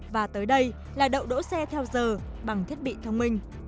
và tới đây là đậu đỗ xe theo giờ bằng thiết bị thông minh